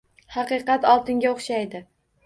Haqiqat oltinga o‘xshaydi.